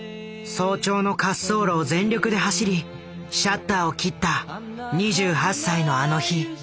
早朝の滑走路を全力で走りシャッターを切った２８歳のあの日。